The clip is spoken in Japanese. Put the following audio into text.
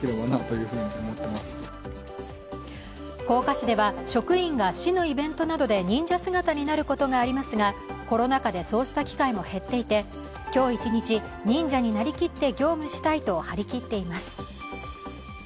甲賀市では職員が市のイベントなどで忍者姿になることがありますが、コロナ禍でそうした機会も減っていて今日一日忍者になりきって業務したいと張り切っています。